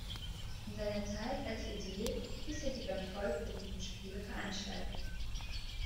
In seiner Zeit als Ädil ließ er die beim Volk beliebten Spiele veranstalten.